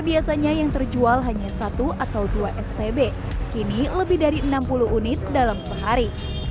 biasanya yang terjual hanya satu atau dua stb kini lebih dari enam puluh unit dalam sehari